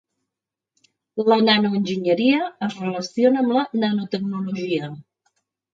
La nanoenginyeria es relaciona amb la nanotecnologia.